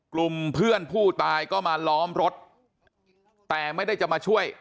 กลุ่มเพื่อนผู้ตายก็มาล้อมรถแต่ไม่ได้จะมาช่วย